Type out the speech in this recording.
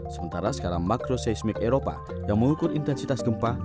sementara sekarang makrosesmik eropa yang mengukur intensitas gempa